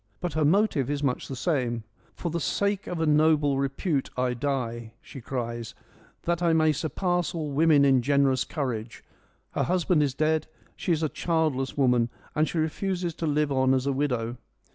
But her motive is much the same :' for the sake of a noble repute I die,' she cries 1 that I may surpass all women in generous courage.' Her husband is, dead, she is a childless woman, and she refuses to live on as a widow.